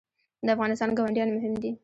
د افغانستان ګاونډیان مهم دي